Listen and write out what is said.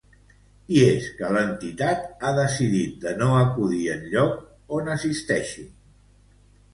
I és que l’entitat ha decidit de no acudir enlloc on assisteixi.